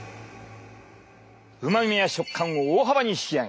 うまみや食感を大幅に引き上げ